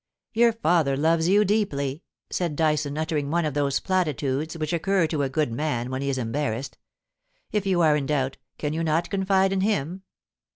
* Your father loves you deeply,' said Dyson, uttering one of those platitudes which occur to a good man when he is embarrassed. * If you are in doubt, can you not confide in him?